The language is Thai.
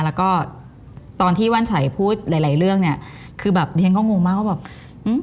แล้วก็ตอนที่ว่านชัยพูดหลายหลายเรื่องเนี้ยคือแบบเรียนก็งงมากว่าแบบอืม